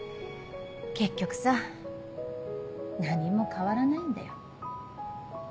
結局さ何も変わらないんだよ。